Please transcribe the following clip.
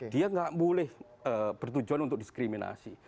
dia nggak boleh bertujuan untuk diskriminasi